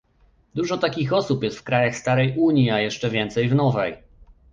Dużo takich osób jest w krajach starej Unii, a jeszcze więcej w nowej